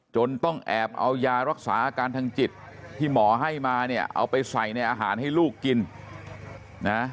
ต้องแอบเอายารักษาอาการทางจิตที่หมอให้มาเนี่ยเอาไปใส่ในอาหารให้ลูกกินนะ